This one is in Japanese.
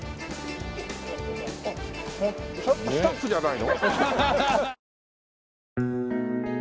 あっスタッフじゃないの？